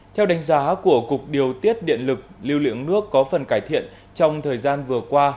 theo đánh giá của cục điều tiết điện lực lưu lượng nước có phần cải thiện trong thời gian vừa qua